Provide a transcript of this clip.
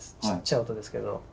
ちっちゃい音ですけど。